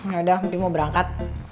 yaudah mesti mau berangkat